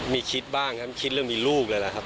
มีคิดบ้างครับคิดเรื่องมีลูกเลยแหละครับ